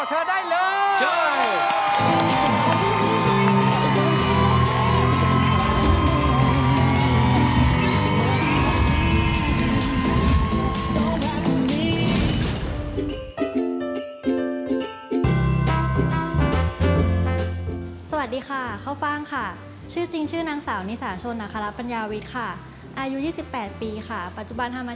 สาวสดของเรามาแล้วถ้าพร้อมไปพบกับเธอได้เลย